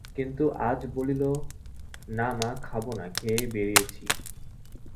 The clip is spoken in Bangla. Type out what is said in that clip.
কিন্তু আজ বলিল, না মা, খাব না– খেয়েই বেরিয়েছি।